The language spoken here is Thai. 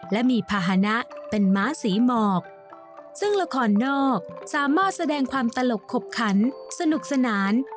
และมีภาษณะเป็นม้าศรีหมอกซึ่งละครนอกสามารถแสดงความตลกขบขันสนุกสนาน